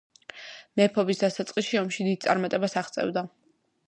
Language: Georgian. მეფობის დასაწყისში ომში დიდ წარმატებებს აღწევდა.